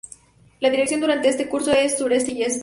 La dirección durante este curso es sureste y este.